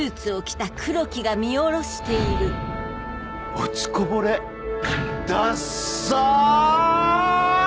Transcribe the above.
落ちこぼれダッサ！ハァ。